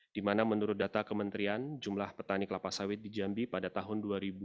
di mana menurut data kementerian jumlah petani kelapa sawit di jambi pada tahun dua ribu dua puluh